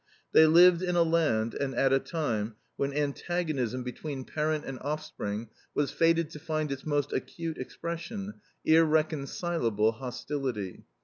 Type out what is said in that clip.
They lived in a land and at a time when antagonism between parent and offspring was fated to find its most acute expression, irreconcilable hostility.